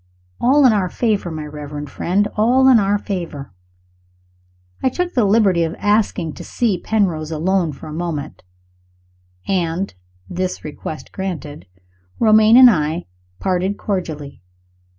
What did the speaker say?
All in our favor, my reverend friend all in our favor! I took the liberty of asking to see Penrose alone for a moment; and, this request granted, Romayne and I parted cordially.